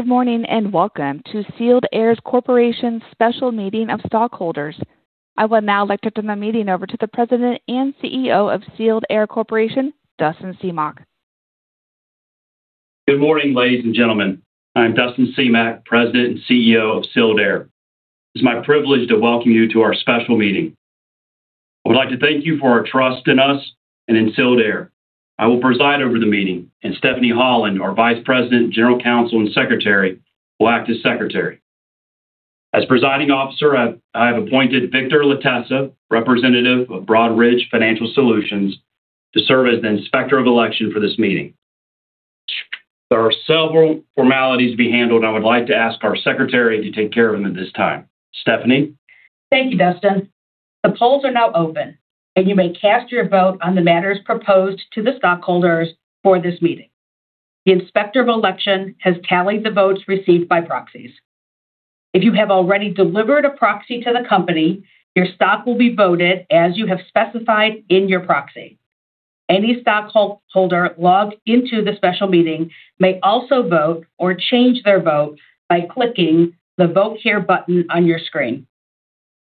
Good morning, and welcome to Sealed Air Corporation's special meeting of stockholders. I would now like to turn the meeting over to the President and CEO of Sealed Air Corporation, Ted Doheny. Good morning, ladies and gentlemen. I'm Ted Doheny, President and CEO of Sealed Air. It's my privilege to welcome you to our special meeting. I would like to thank you for your trust in us and in Sealed Air. I will preside over the meeting, and Susan Urquhart-Brown, our Vice President, General Counsel, and Secretary, will act as secretary. As presiding officer, I have appointed Victor W. LaTessa, representative of Broadridge Financial Solutions, to serve as the Inspector of Election for this meeting. There are several formalities to be handled. I would like to ask our secretary to take care of them at this time. Stefanie? Thank you, Dustin. The polls are now open, and you may cast your vote on the matters proposed to the stockholders for this meeting. The Inspector of Election has tallied the votes received by proxies. If you have already delivered a proxy to the company, your stock will be voted as you have specified in your proxy. Any stockholder logged into the special meeting may also vote or change their vote by clicking the Vote Here button on your screen.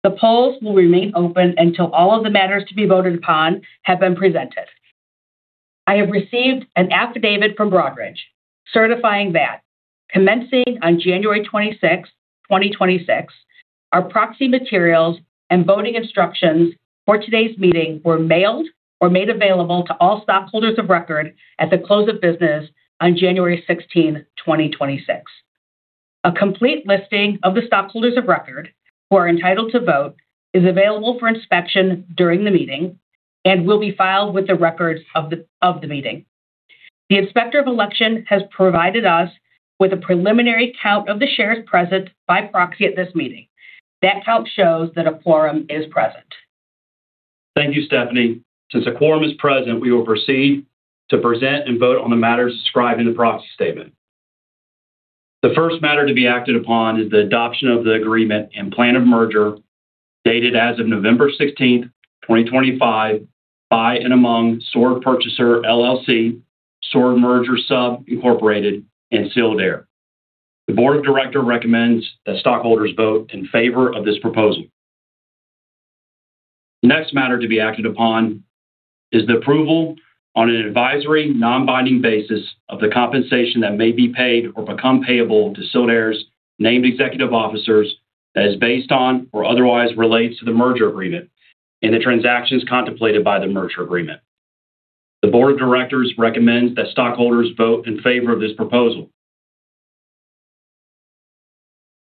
The polls will remain open until all of the matters to be voted upon have been presented. I have received an affidavit from Broadridge certifying that commencing on January 26, 2026, our proxy materials and voting instructions for today's meeting were mailed or made available to all stockholders of record at the close of business on January 16, 2026. A complete listing of the stockholders of record, who are entitled to vote, is available for inspection during the meeting and will be filed with the records of the meeting. The Inspector of Election has provided us with a preliminary count of the shares present by proxy at this meeting. That count shows that a quorum is present. Thank you, Stefanie. Since a quorum is present, we will proceed to present and vote on the matters described in the proxy statement. The first matter to be acted upon is the adoption of the agreement and plan of merger, dated as of November 16th, 2025, by and among SOAR Purchaser, LLC, SOAR Merger Sub, Incorporated, and Sealed Air. The board of director recommends that stockholders vote in favor of this proposal. The next matter to be acted upon is the approval on an advisory, non-binding basis of the compensation that may be paid or become payable to Sealed Air's named executive officers that is based on or otherwise relates to the merger agreement and the transactions contemplated by the merger agreement. The board of directors recommends that stockholders vote in favor of this proposal.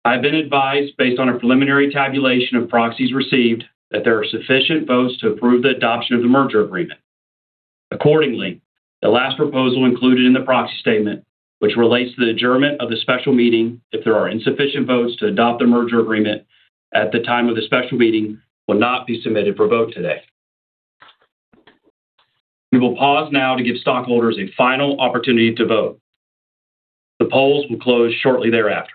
I have been advised, based on a preliminary tabulation of proxies received, that there are sufficient votes to approve the adoption of the merger agreement. Accordingly, the last proposal included in the proxy statement, which relates to the adjournment of the special meeting, if there are insufficient votes to adopt the merger agreement at the time of the special meeting, will not be submitted for vote today. We will pause now to give stockholders a final opportunity to vote. The polls will close shortly thereafter.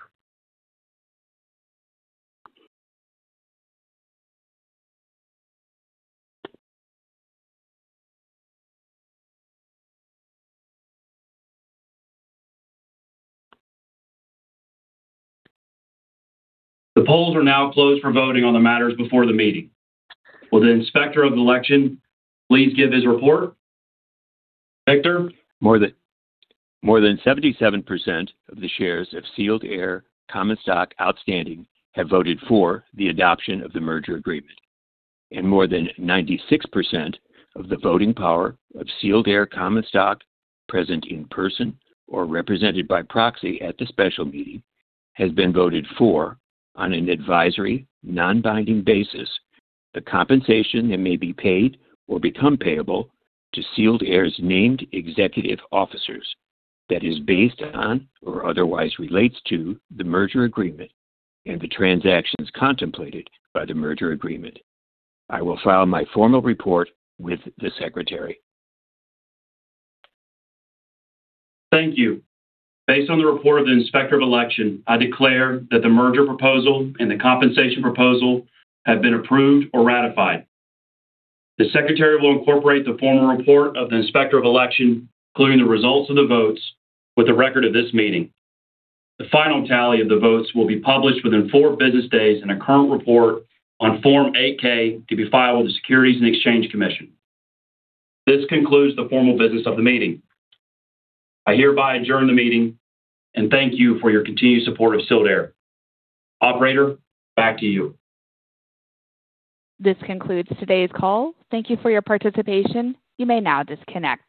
The polls are now closed for voting on the matters before the meeting. Will the Inspector of the Election please give his report? Victor? More than 77% of the shares of Sealed Air common stock outstanding have voted for the adoption of the merger agreement, and more than 96% of the voting power of Sealed Air common stock, present in person or represented by proxy at the special meeting, has been voted for on an advisory, non-binding basis. The compensation that may be paid or become payable to Sealed Air's named executive officers, that is based on or otherwise relates to the merger agreement and the transactions contemplated by the merger agreement. I will file my formal report with the Secretary. Thank you. Based on the report of the Inspector of Election, I declare that the merger proposal and the compensation proposal have been approved or ratified. The Secretary will incorporate the formal report of the Inspector of Election, including the results of the votes, with the record of this meeting. The final tally of the votes will be published within four business days in a current report on Form 8-K, to be filed with the Securities and Exchange Commission. This concludes the formal business of the meeting. I hereby adjourn the meeting, and thank you for your continued support of Sealed Air. Operator, back to you. This concludes today's call. Thank you for your participation. You may now disconnect.